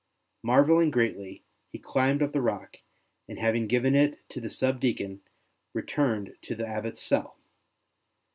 Marvelling greatly, he climbed up the rock, and having given it to the subdeacon, returned to the Abbot's cell.